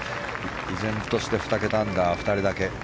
依然として２桁アンダーは２人だけ。